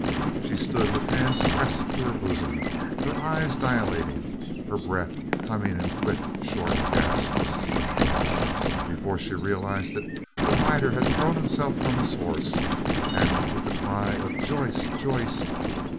She stood with hands pressed to her bosom, her eyes dilating, her breath coming in quick, short gasps. Before she realized it, the rider had thrown himself from his horse, and with the cry of "Joyce! Joyce!"